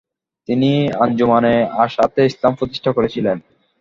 তিনি আঞ্জুমানে আশআতে ইসলাম প্রতিষ্ঠা করেছিলেন।